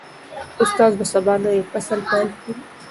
استاد به سبا نوی فصل پیل کړي.